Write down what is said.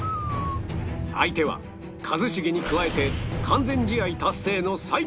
相手は一茂に加えて完全試合達成の最強